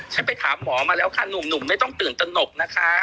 ไปถามหมอมาแล้วค่ะหนุ่มไม่ต้องตื่นตนกนะคะ